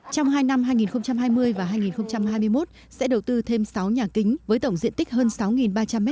trong hai năm hai nghìn hai mươi và hai nghìn hai mươi một sẽ đầu tư thêm sáu nhà kính với tổng diện tích hơn sáu ba trăm linh m hai và nhà sơ chế